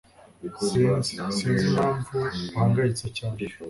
Sinzi Sinzi impamvu uhangayitse cyane